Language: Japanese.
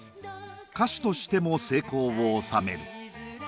歌手としても成功を収める。